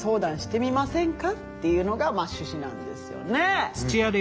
っていうのが趣旨なんですよね。